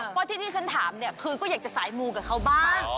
เพราะที่ที่ฉันถามเนี่ยคือก็อยากจะสายมูกับเขาบ้าง